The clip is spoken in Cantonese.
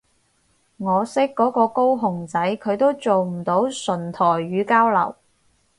我識嗰個高雄仔佢都做唔到純台語交流